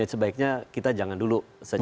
sebaiknya kita jangan dulu sengaja